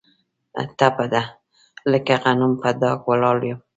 ټپه ده: لکه غنم په ډاګ ولاړ یم.